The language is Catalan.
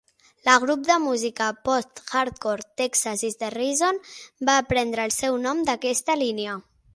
La grup de música Post-hardcore, Texas Is the Reason, va prendre el seu nom d'aquesta línia.